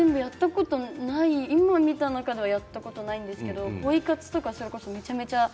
今見た中ではやったことがないんですけれどポイ活とかは、めちゃめちゃ。